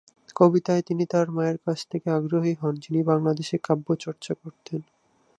কবিতায় তিনি তার মায়ের কাছ থেকে আগ্রহী হন যিনি বাংলাদেশে কাব্য চর্চা করতেন।